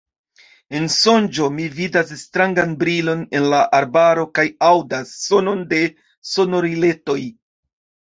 En sonĝo mi vidas strangan brilon en la arbaro kaj aŭdas sonon de sonoriletoj.